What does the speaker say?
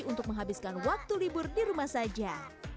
untuk menghabiskan waktu libur di rumah saja